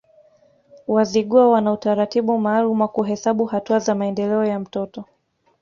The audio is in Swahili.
Wazigua wana utaratibu maalum wa kuhesabu hatua za maendeleo ya mtoto